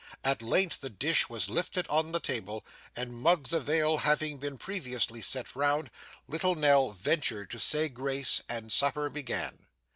At length the dish was lifted on the table, and mugs of ale having been previously set round, little Nell ventured to say grace, and supper began.